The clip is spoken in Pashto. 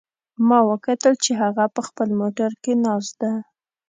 ما وکتل چې هغه په خپل موټر کې ناست ده